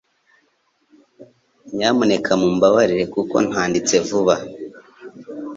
Nyamuneka mumbabarire kuko ntanditse vuba